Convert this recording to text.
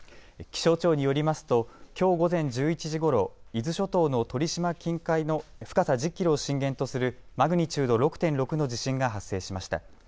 気象庁によりますときょう午前１１時ごろ伊豆諸島の鳥島近海の深さ１０キロを震源とするマグニチュード６．６の地震が発生しました。